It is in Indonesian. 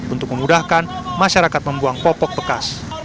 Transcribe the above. untuk memudahkan masyarakat membuang popok bekas